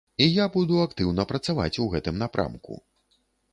І я буду актыўна працаваць у гэтым напрамку.